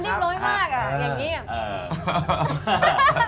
เขาริบร้อยมากอ่ะอย่างนี้